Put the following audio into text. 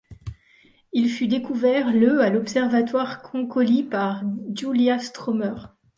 Il fut découvert le à l'observatoire Konkoly par Gyula Strommer.